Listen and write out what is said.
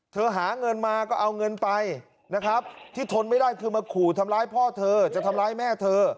หาเงินมาก็เอาเงินไปนะครับที่ทนไม่ได้คือมาขู่ทำร้ายพ่อเธอจะทำร้ายแม่เธอ